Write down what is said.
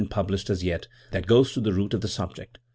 published as yet that goes to the root of the subject.